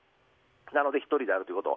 なので１人であるということ。